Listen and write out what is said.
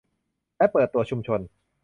และเปิดตัวชุมชน